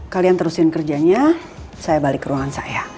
kalian terusin kerjanya saya balik ke ruangan saya